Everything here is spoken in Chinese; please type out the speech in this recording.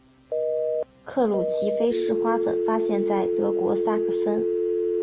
克鲁奇菲氏花粉发现在德国萨克森。